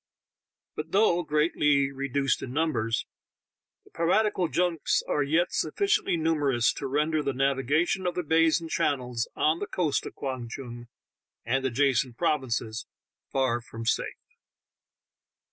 But though greatly reduced in numbers, the piratical junks are yet sufficiently numerous to render the navigation of the bays and channels on the coast of Kwang Tung and adjacent provinces far from safe.